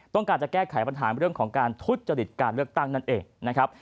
ต้องการจะแก้ไขปัญหาเรื่องของการทุจริตการเลือกตั้งนั่นเองนะครับ